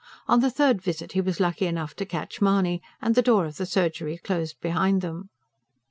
On the third visit he was lucky enough to catch Mahony, and the door of the surgery closed behind them.